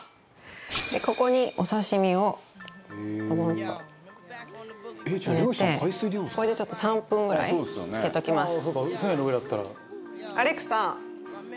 ここにお刺身をドボッと置いてこれでちょっと３分ぐらい漬けておきます。